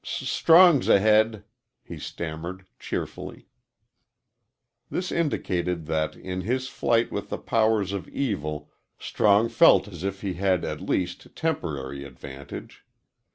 "S Strong's ahead!" he stammered, cheerfully. This indicated that in his fight with the powers of evil Strong felt as if he had at least temporary advantage.